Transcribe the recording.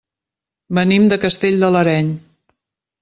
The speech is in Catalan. Venim de Castell de l'Areny.